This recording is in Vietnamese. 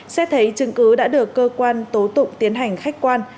xét thấy chứng cứ đã được cơ quan tố tụng tiến hành khách quan